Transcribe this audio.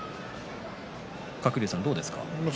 鶴竜さん、どうですか？